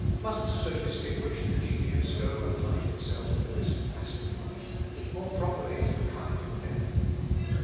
Must so distinguished a genius go and hide himself in this monastic life more properly, a kind of death?